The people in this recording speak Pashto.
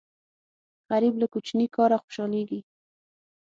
غریب له کوچني کاره خوشاليږي